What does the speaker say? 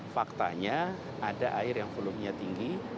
faktanya ada air yang volume nya tinggi